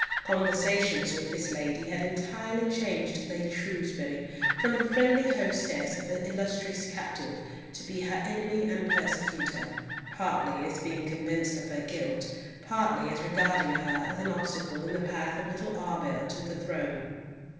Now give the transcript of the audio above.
Conversations with this lady had entirely changed Lady Shrewsbury from the friendly hostess of her illustrious captive, to be her enemy and persecutor, partly as being convinced of her guilt, partly as regarding her as an obstacle in the path of little Arbell to the throne.